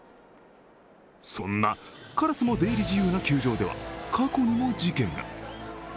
そんな、カラスも出入り自由な球場では、過去にも事件が。